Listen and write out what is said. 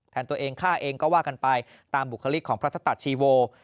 ตัวเองฆ่าเองก็ว่ากันไปตามบุคลิกของพระธตะชีโว